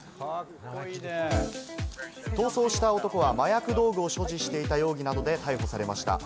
逃走した男は麻薬道具を所持していた容疑などで逮捕されました。